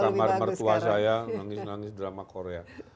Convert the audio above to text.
masuk ke kamar mertua saya nangis nangis drama korea